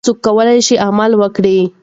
هر څوک کولای شي عمل وکړي.